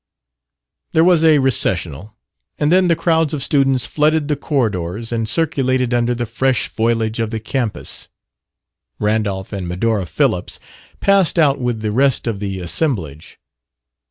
There was a recessional, and then the crowds of students flooded the corridors and circulated under the fresh foliage of the campus. Randolph and Medora Phillips passed out with the rest of the assemblage.